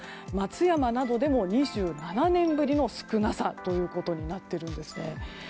松山などでも２７年ぶりの少なさということになっているんですね。